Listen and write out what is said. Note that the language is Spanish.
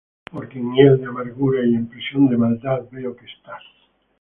Porque en hiel de amargura y en prisión de maldad veo que estás.